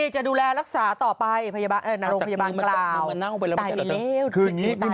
จนเป็นอย่างงี้หรอ